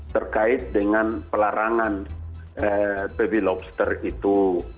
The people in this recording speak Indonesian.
terkait dengan pelarangan baby lobster itu